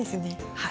はい。